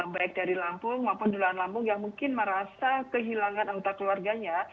baik dari lampung maupun duluan lampung yang mungkin merasa kehilangan anggota keluarganya